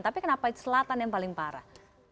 tapi kenapa selatan yang paling parah